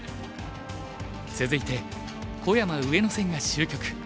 続いて小山・上野戦が終局。